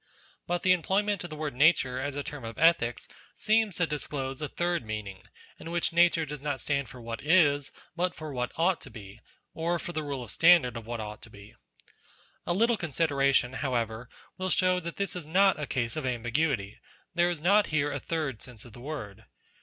But the employment of the word Nature as a term of ethics seems to disclose a third meaning, in which Nature does not stand for what is, but for what ought to be ; or for the rule or standard of what ought to be. A little consideration, however, will show that this is not a case of ambiguity ; there is not here a third sense of the word.